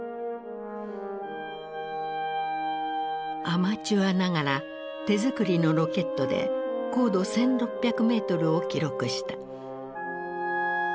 アマチュアながら手作りのロケットで高度１，６００ｍを記録した。